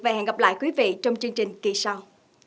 và hẹn gặp lại quý vị trong chương trình kỳ sau